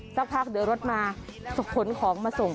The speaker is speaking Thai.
สักพักเดี๋ยวรถมาขนของมาส่ง